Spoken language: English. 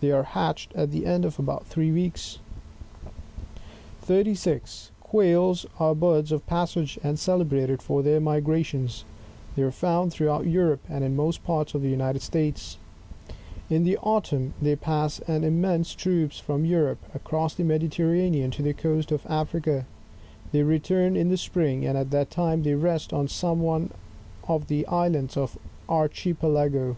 They are hatched at the end of about three weeks. 36. Quails are birds of passage, and celebrated for their migrat tions^ they are found throughout Europe, and in most parts of the United States In the autumn, they pass in immense troopa from Europe, across the Mediterranean to the coast of A&iea^, they return in the spring, and at that time they rest on som&: one of the Islands of the archipelago.